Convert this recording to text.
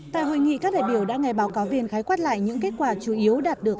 tại hội nghị các đại biểu đã nghe báo cáo viên khái quát lại những kết quả chủ yếu đạt được